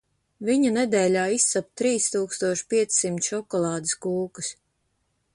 Viņa nedēļā izcep trīs tūkstoš piecsimt šokolādes kūkas.